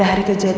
ada hari kejadian